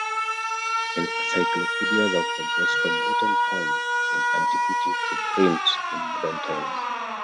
Encyclopedias have progressed from written form in antiquity, to print in modern times.